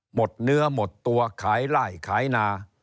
หมดเนื้อหมดตัวขายไล่ขายนา